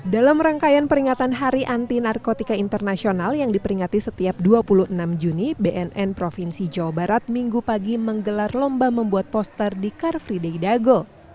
dalam rangkaian peringatan hari anti narkotika internasional yang diperingati setiap dua puluh enam juni bnn provinsi jawa barat minggu pagi menggelar lomba membuat poster di car free day dago